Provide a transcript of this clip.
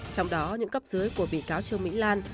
trong đó những cấp dưới của bị cáo trương mỹ lan